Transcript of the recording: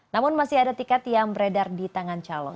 namun masih ada tiket yang beredar di tangan calon